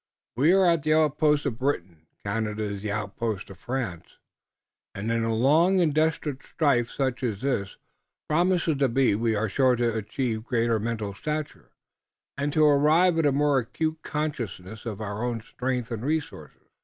We are the outpost of Britain, Canada is the outpost of France, and in a long and desperate strife such as this promises to be we are sure to achieve greater mental stature, and to arrive at a more acute consciousness of our own strength and resources.